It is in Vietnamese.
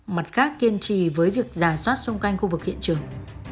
mặt khác kiên trì với việc giả soát xung quanh khu vực hiện trường